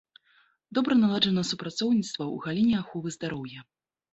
Добра наладжана супрацоўніцтва ў галіне аховы здароўя.